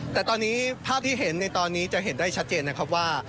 แต่ตอนนี้ภาพที่เห็นในตอนนี้จะเห็นได้ชัดเจนนะครับว่า